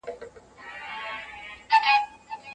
مغز دا حالت ژر درک کوي.